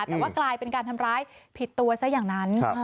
แต่ว่ากลายเป็นการทำร้ายผิดตัวซะอย่างนั้น